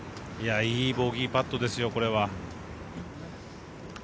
いいボギーパットですよこれは。